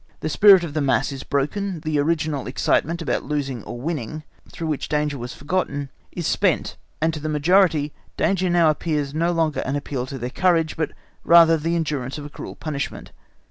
The spirit of the mass is broken; the original excitement about losing or winning, through which danger was forgotten, is spent, and to the majority danger now appears no longer an appeal to their courage, but rather the endurance of a cruel punishment.